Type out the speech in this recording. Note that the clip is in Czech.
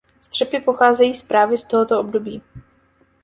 Střepy pocházejí právě s tohoto období.